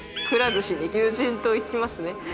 くら寿司に友人と行きますね。